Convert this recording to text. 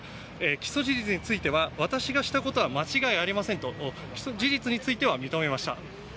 起訴事実については私がしたことは間違いありませんと起訴事実については認めました。